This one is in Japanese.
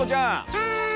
はい！